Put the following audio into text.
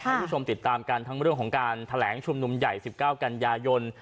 คุณผู้ชมติดตามกันทั้งเรื่องของการแถลงชุมนุมใหญ่๑๙กันยายน